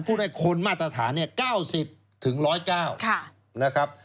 กูได้คนมาตรฐานเนี่ย๙๐ถึง๑๐๙นะครับ